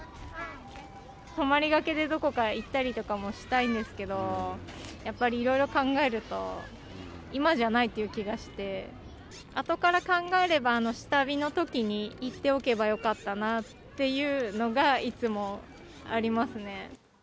泊まりがけでどこか行ったりとかもしたいんですけど、やっぱりいろいろ考えると、今じゃないという気がして、後から考えれば、下火のときに行っておけばよかったなっていうのが、いつもありま